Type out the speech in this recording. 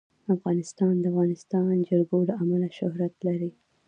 افغانستان د د افغانستان جلکو له امله شهرت لري.